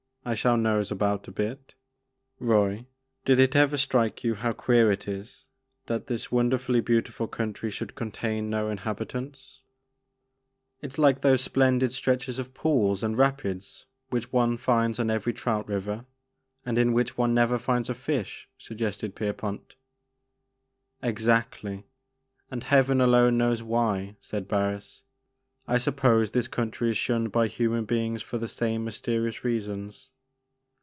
I shall nose about a bit. Roy, did it ever strike you how queer it is that this wonderfully beautiful country should contain no inhabitants ?*' 14 The Maker of Moans. '' It 's like those splendid stretches of pools and rapids which one finds on every trout river and in which one never finds a fish,*' suggested Pierpont Exactly, — and Heaven alone knows why," said Barns ;I suppose this country is shunned by human beings for the same mysterious reasons."